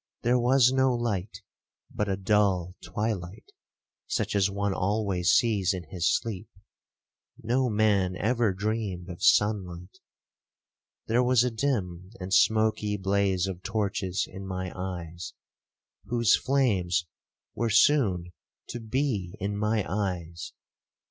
There was no light but a dull twilight, such as one always sees in his sleep, (no man ever dreamed of sun light);—there was a dim and smoky blaze of torches in my eyes, whose flames were soon to be in my eyes.